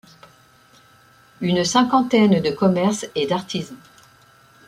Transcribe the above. Une cinquantaine de commerces et d'artisans.